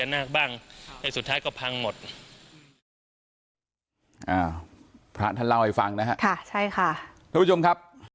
ในสุดท้ายก็พังหมดพระท่านเล่าให้ฟังนะฮะค่ะใช่ค่ะทุกผู้ชมครับ